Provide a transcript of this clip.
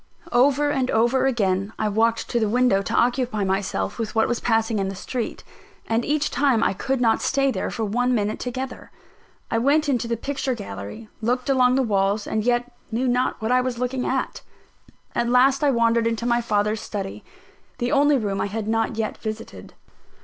Over and over again I walked to the window to occupy myself with what was passing in the street; and each time I could not stay there for one minute together. I went into the picture gallery, looked along the walls, and yet knew not what I was looking at. At last I wandered into my father's study the only room I had not yet visited.